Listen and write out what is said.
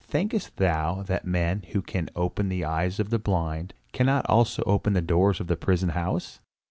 Thinkest thou that men who can open the eyes of the blind, cannot also open the doors of a prison house?"